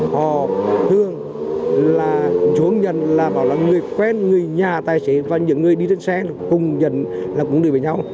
họ thường là chốn nhận là người quen người nhà tài xế và những người đi trên xe cùng nhận là cũng đều với nhau